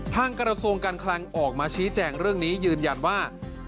กระทรวงการคลังออกมาชี้แจงเรื่องนี้ยืนยันว่า